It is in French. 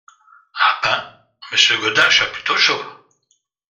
Ah ! ben, Monsieur Godache a plutôt chaud.